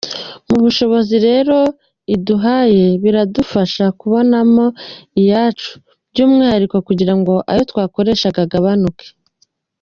Mu bushobozi rero iduhaye biradufasha kubonamo izacu by’umwihariko kugira ayo twakoreshaga agabanuke.